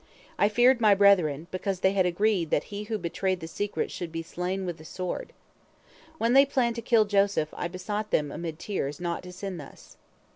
I feared my brethren, because they had agreed that he who betrayed the secret should be slain with the sword. When they planned to kill Joseph, I besought them amid tears not to sin thus.